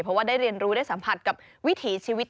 เพราะว่าได้เรียนรู้ได้สัมผัสกับวิถีชีวิต